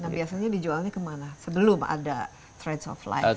biasanya dijualnya kemana sebelum ada trail of life